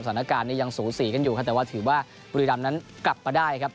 สถานการณ์นี้ยังสูสีกันอยู่ครับแต่ว่าถือว่าบุรีรำนั้นกลับมาได้ครับ